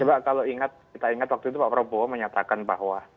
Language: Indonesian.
coba kalau ingat kita ingat waktu itu pak prabowo menyatakan bahwa